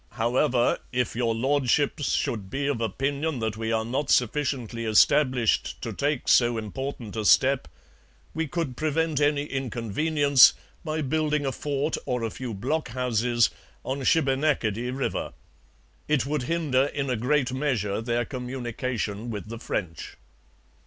However, if Your Lordships should be of opinion that we are not sufficiently established to take so important a step, we could prevent any inconvenience by building a fort or a few blockhouses on Chibenacadie [Shubenacadie] river. It would hinder in a great measure their communication with the French.'